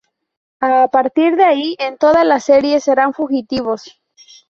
A partir de ahí en toda la serie serán fugitivos.